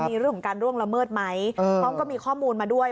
มีเรื่องของการล่วงละเมิดไหมพร้อมก็มีข้อมูลมาด้วย